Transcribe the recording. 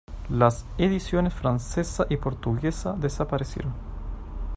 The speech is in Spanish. Las ediciones francesa y portuguesa desaparecieron.